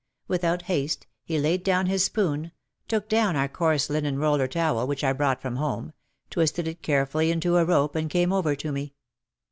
Without haste he laid down his spoon, took down our coarse linen roller towel which I brought from home, twisted it carefully into a rope and came over to me.